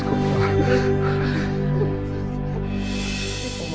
bapak harus berbahaya